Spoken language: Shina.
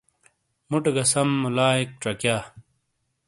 مُٹے گہ سَم مُولائیک چَکیا۔